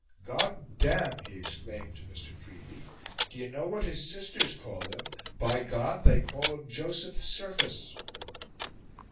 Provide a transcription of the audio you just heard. "God damme!" he exclaimed to Mr. Creevey, "d'ye know what his sisters call him? By God! they call him Joseph Surface!"